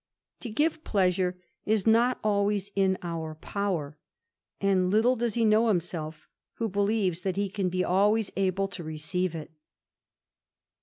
To give pleasure is not always in our power ; and little does he know himself, who believes that he can be always able to receive it.